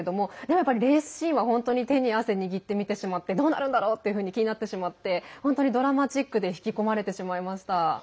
やっぱりレースシーンは本当に手に汗握って見てしまってどうなるんだろうというふうに気になってしまって本当にドラマチックで引き込まれてしまいました。